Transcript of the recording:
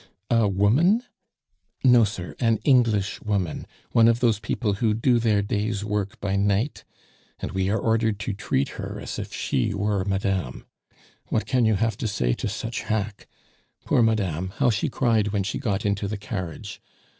"A woman?" "No, sir, an English woman one of those people who do their day's work by night, and we are ordered to treat her as if she were madame. What can you have to say to such hack! Poor Madame, how she cried when she got into the carriage.